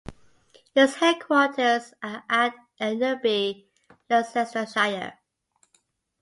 Its headquarters are at Enderby, Leicestershire.